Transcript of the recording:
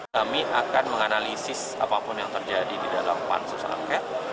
kami akan menganalisis apapun yang terjadi di dalam pansus angket